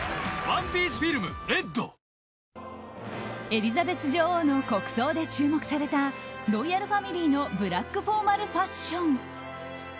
エリザベス女王の国葬で注目されたロイヤルファミリーのブラックフォーマルファッション。